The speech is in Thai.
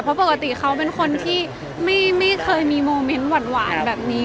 เพราะปกติเขาเป็นคนที่ไม่เคยมีโมเมนต์หวานแบบนี้